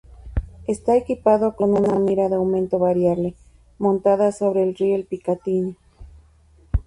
Está equipado con una mira de aumento variable, montada sobre el riel Picatinny.